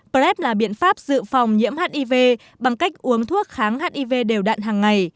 plat là biện pháp dự phòng nhiễm hiv bằng cách uống thuốc kháng hiv đều đạn hàng ngày